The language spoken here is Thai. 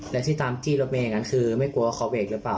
และที่ตามที่รถเมย์กันคือไม่กลัวเขาเบรกหรือเปล่า